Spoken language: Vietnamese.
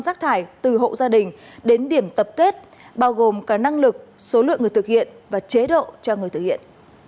rác thải từ hộ gia đình đến điểm tập kết bao gồm cả năng lực số lượng người thực hiện và chế độ cho người thực hiện